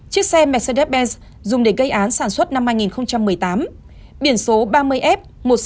chiếc xe mercedes benz dùng để gây án sản xuất năm hai nghìn một mươi tám biển số ba mươi f một mươi sáu nghìn tám trăm sáu mươi năm